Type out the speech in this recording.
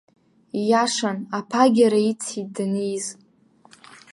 Иашан, аԥагьара ициит данииз!